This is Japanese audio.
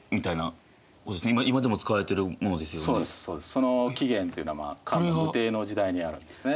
その起源っていうのは漢武帝の時代にあるわけですね。